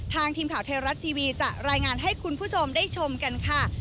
ทีมข่าวไทยรัฐทีวีจะรายงานให้คุณผู้ชมได้ชมกันค่ะ